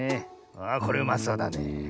ああこれうまそうだねえ。